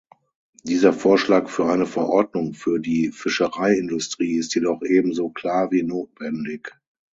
Dieser Vorschlag für eine Verordnung für die Fischereiindustrie ist jedoch ebenso klar wie notwendig.